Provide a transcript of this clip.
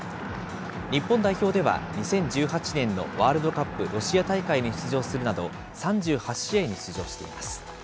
日本代表では、２０１８年のワールドカップロシア大会に出場するなど、３８試合に出場しています。